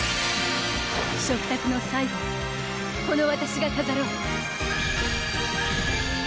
食卓の最後をこのわたしが飾ろう！